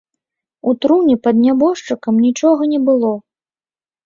У труне пад нябожчыкам нічога не было.